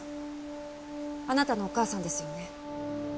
あなたのお母さんですよね？